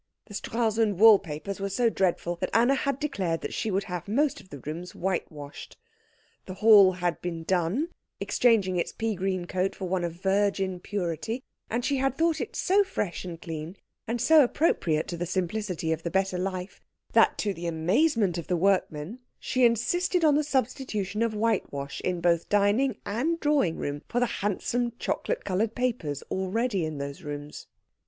The Stralsund wall papers were so dreadful that Anna had declared she would have most of the rooms whitewashed; the hall had been done, exchanging its pea green coat for one of virgin purity, and she had thought it so fresh and clean, and so appropriate to the simplicity of the better life, that to the amazement of the workmen she insisted on the substitution of whitewash in both dining and drawing room for the handsome chocolate coloured papers already in those rooms.